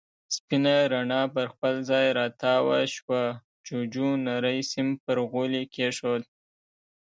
سپينه رڼا پر خپل ځای را تاوه شوه، جُوجُو نری سيم پر غولي کېښود.